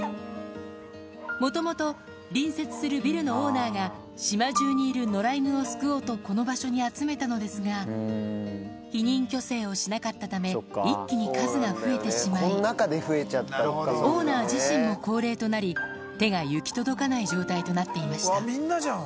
もともと、隣接するビルのオーナーが、島中にいる野良犬を救おうとこの場所に集めたのですが、避妊・去勢をしなかったため、一気に数が増えてしまい、オーナー自身も高齢となり、手が行き届かない状態となっていました。